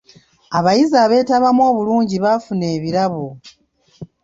Abayizi abeetabamu obulungi baafuna ebirabo.